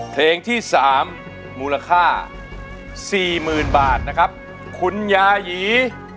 เพลงที่สามมูลค่าสี่หมื่นบาทนะครับคุณยายี